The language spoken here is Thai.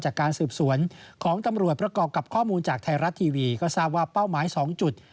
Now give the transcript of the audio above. จากการสืบสวนของตำรวจประกอบกับข้อมูลจากไทยรัฐทีวีก็ทราบว่าเป้าหมาย๒จุด